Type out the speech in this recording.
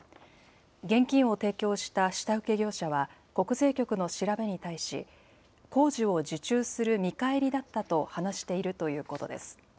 現金を提供した下請け業者は、国税局の調べに対し、工事を受注する見返りだったと話しているということです。